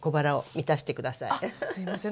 あっすいません。